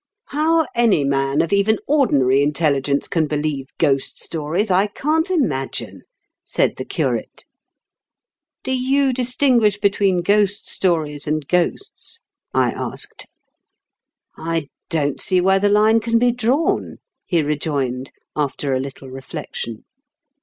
" How any man of even ordinary intelli gence can believe ghost stories, I can't imagine," said the curate. " Do you distinguish between ghost stories and ghosts ?" I asked. " I don't see where the line can be drawn," he rejoined, after a little reflection.